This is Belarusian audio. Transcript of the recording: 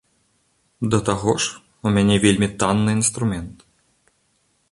Да таго ж, у мяне вельмі танны інструмент.